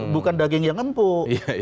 bukan daging yang empuk